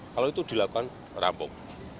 kalau itu dilakukan rampung